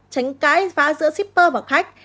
tránh cái vã giữa zipper và khách